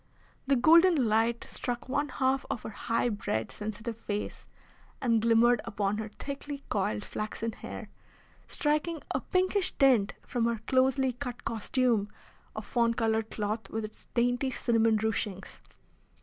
The golden light struck one half of her high bred, sensitive face, and glimmered upon her thickly coiled flaxen hair, striking a pinkish tint from her closely cut costume of fawn coloured cloth with its dainty cinnamon ruchings.